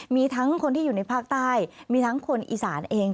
มีทั้งคนที่อยู่ในภาคใต้มีทั้งคนอีสานเอง